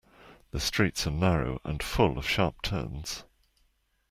The streets are narrow and full of sharp turns.